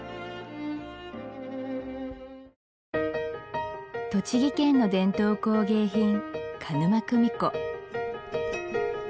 ホント栃木県の伝統工芸品鹿沼組子